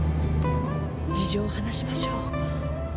事情を話しましょう。